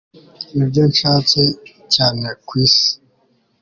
Nibyo nshaka cyane kwisi